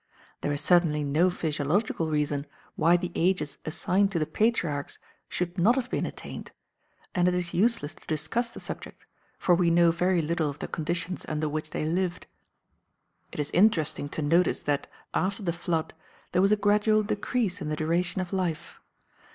There is certainly no physiological reason why the ages assigned to the patriarchs should not have been attained, and it is useless to discuss the subject, for we know very little of the conditions under which they lived. It is interesting to notice that after the Flood there was a gradual decrease in the duration of life.